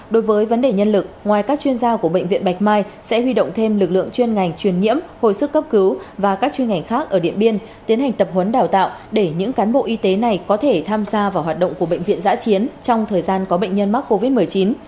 đối với vấn đề nhân lực ngoài các chuyên gia của bệnh viện bạch mai sẽ huy động thêm lực lượng chuyên ngành truyền nhiễm hồi sức cấp cứu và các chuyên ngành khác ở điện biên tiến hành tập huấn đào tạo để những cán bộ y tế này có thể tham gia vào hoạt động của bệnh viện giã chiến trong thời gian có bệnh nhân mắc covid một mươi chín